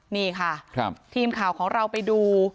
นี่ค่ะทีมข่าวของเราไปดู